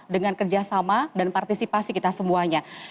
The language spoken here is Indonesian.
dengan kerjasama dan partisipasi kita semuanya